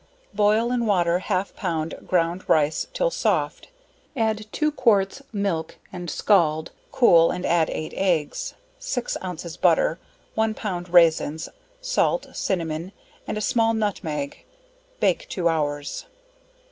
Boil in water half pound ground rice till soft, add 2 quarts milk and scald, cool and add 8 eggs, 6 ounces butter, 1 pound raisins, salt, cinnamon and a small nutmeg, bake 2 hours.